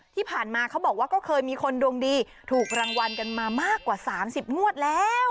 ที่ผ่านมาเขาบอกว่าก็เคยมีคนดวงดีถูกรางวัลกันมามากกว่า๓๐งวดแล้ว